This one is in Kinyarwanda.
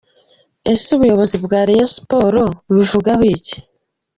Ese ubuyobozi bwa Rayon Sports bubivugaho iki?.